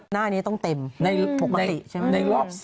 ปรากฏว่า